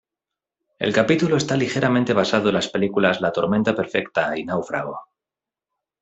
El capítulo está ligeramente basado en las películas "La tormenta perfecta" y "Náufrago".